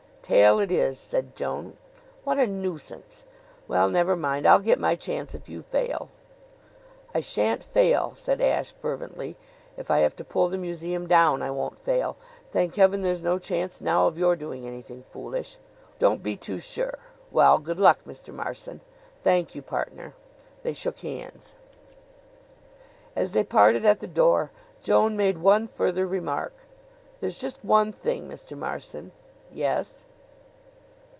"Tail it is," said Joan. "What a nuisance! Well, never mind I'll get my chance if you fail." "I shan't fail," said Ashe fervently. "If I have to pull the museum down I won't fail. Thank heaven, there's no chance now of your doing anything foolish!" "Don't be too sure. Well, good luck, Mr. Marson!" "Thank you, partner." They shook hands. As they parted at the door, Joan made one further remark: "There's just one thing, Mr. Marson." "Yes?"